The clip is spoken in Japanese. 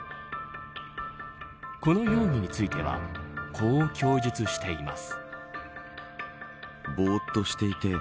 この容疑についてはこう供述しています。